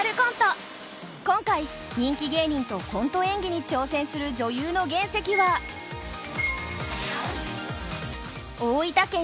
今回人気芸人とコント演技に挑戦する女優の原石は大分県